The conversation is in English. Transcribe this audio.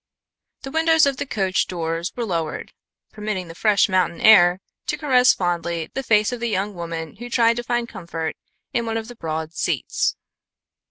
The windows of the coach doors were lowered, permitting the fresh mountain air to caress fondly the face of the young woman who tried to find comfort in one of the broad seats.